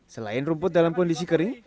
selain rumput dalam kondisi kering